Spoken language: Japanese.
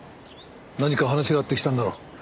何か話があって来たんだろう。